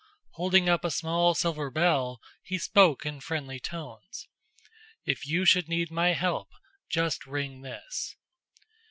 Holding up a small silver bell, he spoke in friendly tones: "If you should need my help, just ring this."